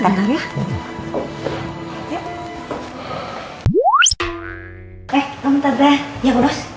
eh kamu tante ya kudos